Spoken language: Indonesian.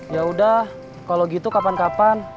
yaudah kalau gitu kapan kapan